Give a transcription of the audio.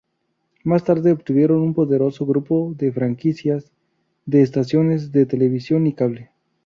Más tarde obtuvieron un poderoso grupo de franquicias de estaciones de televisión y cable.